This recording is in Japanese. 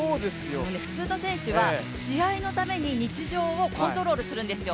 普通の選手は試合のために日常をコントロールするんですよ。